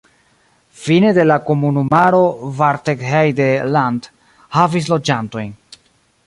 Fine de la komunumaro Bargteheide-Land havis loĝantojn.